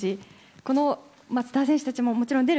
このスター選手たちももちろん出る。